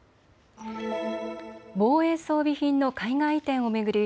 防衛装備品の海外移転を巡り